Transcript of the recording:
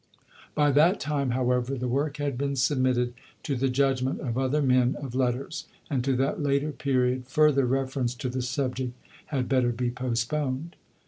By that time, however, the work had been submitted to the judgment of other men of letters; and to that later period further reference to the subject had better be postponed.